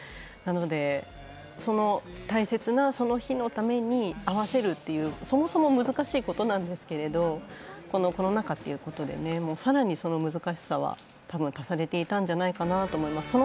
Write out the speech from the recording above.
なので、大切なその日のために合わせるっていうそもそも難しいことなんですけどコロナ禍ということでさらに、その難しさはたぶん足されていたんじゃないかなと思います。